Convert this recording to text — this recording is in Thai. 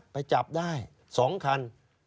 ไปจับได้๒คัน